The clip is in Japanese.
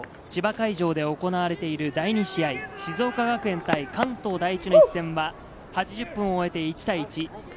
千葉会場で行われている第２試合、静岡学園対関東第一の一戦は８０分を終えて１対１。